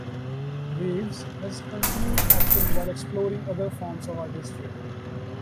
Reeves has continued acting while exploring other forms of artistry.